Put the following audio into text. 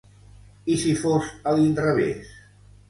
I si fos a l'inrevés?